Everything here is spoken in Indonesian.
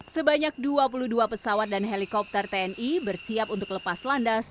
sebanyak dua puluh dua pesawat dan helikopter tni bersiap untuk lepas landas